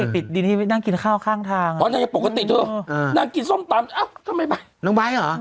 พระเอกติดดีที่นั่งกินข้าวข้างทางอ่ะอ๋อเนี้ยปกติดูอืมนางกินส้มตำเอ้าทำไมบ๊ายน้องบ๊ายเหรอ